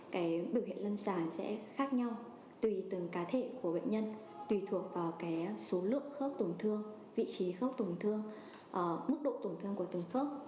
cái biểu hiện lân dài sẽ khác nhau tùy từng cá thể của bệnh nhân tùy thuộc vào cái số lượng khớp tổn thương vị trí khớp tổn thương mức độ tổn thương của từng khớp